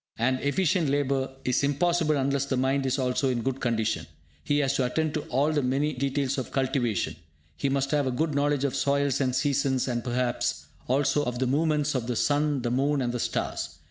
And efficient labour is impossible unless the mind is also in good condition. He has to attend to all the many details of cultivation; he must have a good knowledge of soils and seasons, and perhaps also of the movements of the sun, the moon, and the stars.